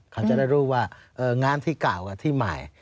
เขาจะได้รู้ว่างานที่เก่ากับที่ใหม่